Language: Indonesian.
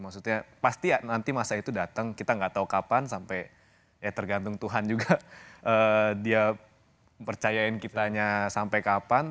maksudnya pasti nanti masa itu datang kita nggak tahu kapan sampai ya tergantung tuhan juga dia percayain kitanya sampai kapan